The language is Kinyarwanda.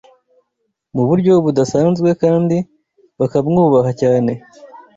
mu buryo budasanzwe kandi bakamwubaha cyane.